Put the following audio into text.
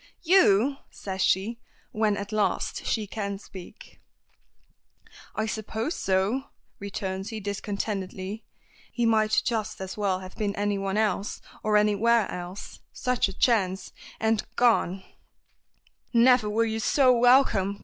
"You!" says she, when at last she can speak. "I suppose so," returns he discontentedly. He might just as well have been anyone else, or anywhere else such a chance and gone! "Never were you so welcome!"